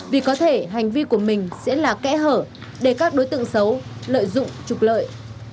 vì có thể hành vi của mình sẽ là kẽ hở để các đối tượng xấu lợi dụng trục lợi